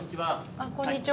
あっこんにちは。